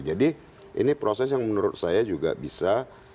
ini proses yang menurut saya juga bisa